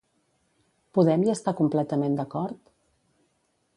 Podem hi està completament d'acord?